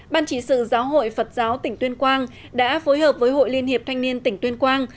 ban trị sự giáo hội phật giáo tỉnh tuyên quang đã phối hợp với hội liên hiệp thanh niên tỉnh tuyên quang